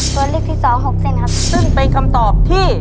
ตัวลิสต์ที่๒๖เส้นครับ